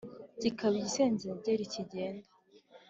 Kikaba igisenzegeri kigenda